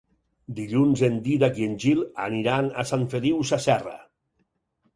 Dilluns en Dídac i en Gil aniran a Sant Feliu Sasserra.